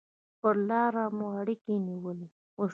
پر لاره مو اړیکې نیولې.